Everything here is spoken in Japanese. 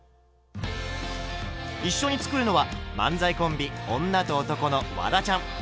一緒に作るのは漫才コンビ「女と男」のワダちゃん。